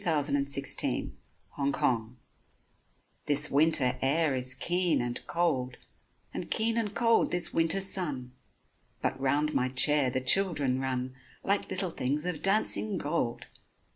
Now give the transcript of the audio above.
LE JARDIN DES TUILERIES THIS winter air is keen and cold, And keen and cold this winter sun, But round my chair the children run Like little things of dancing gold.